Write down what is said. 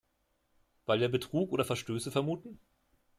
Weil wir Betrug oder Verstöße vermuten?